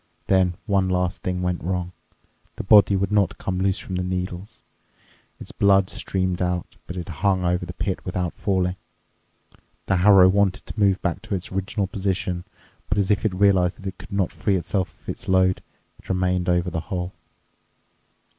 Then one last thing went wrong: the body would not come loose from the needles. Its blood streamed out, but it hung over the pit without falling. The harrow wanted to move back to its original position, but, as if it realized that it could not free itself of its load, it remained over the hole.